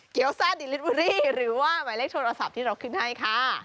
เกี่ยวสั้นหรือว่าหมายเลขโทรศัพท์ที่เราขึ้นให้ค่ะ